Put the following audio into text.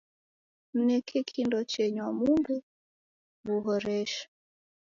Mneke kindo chenywa mumbi ghuhoreshe